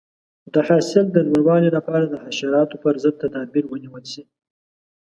د حاصل د لوړوالي لپاره د حشراتو پر ضد تدابیر ونیول شي.